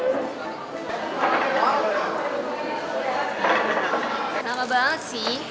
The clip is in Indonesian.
kenapa banget sih